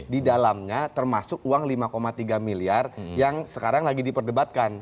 di dalamnya termasuk uang lima tiga miliar yang sekarang lagi diperdebatkan